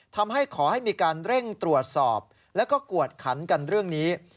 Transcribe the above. ทำให้ขอให้มีการเร่งตรวจสอบแล้วก็กวดขันกันเรื่องนี้